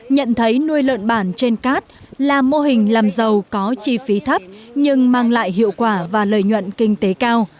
nhận thấy nuôi lợn bản trên cát là mô hình làm giàu có chi phí thấp nhưng mang lại hiệu quả và lợi nhuận kinh tế cao